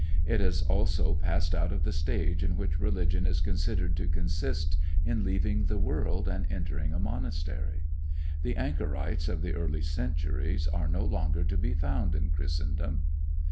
It has also passed out of the stage in which religion is considered to consist in leaving the world and entering a monastery. The anchorites of the early centuries are no longer to be found in Christendom.